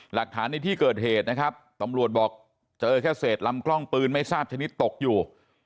หลักฐานในที่เกิดเหตุนะครับตำรวจบอกเจอแค่เศษลำกล้องปืนไม่ทราบชนิดตกอยู่